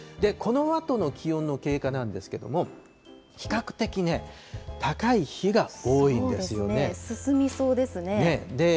このあとの気温の経過なんですけれども、比較的、高い日が多いんそうですね、進みそうですね。